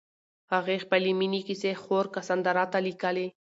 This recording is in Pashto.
هغې خپلې مینې کیسې خور کاساندرا ته لیکلې.